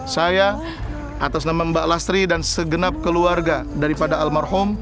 saya atas nama mbak lastri dan segenap keluarga daripada almarhum